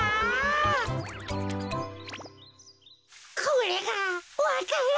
これがわか蘭。